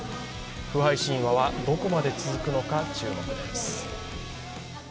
不敗神話はどこまで続くのか注目です。